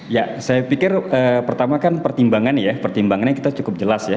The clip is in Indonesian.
ya saya pikir pertama kan pertimbangan ya pertimbangannya kita cukup jelas ya